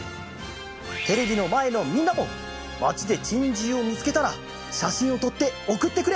テレビのまえのみんなもまちでチンジューをみつけたらしゃしんをとっておくってくれ！